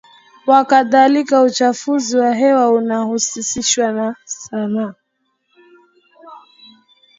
waKadhalika uchafuzi wa hewa unahusishwa sana na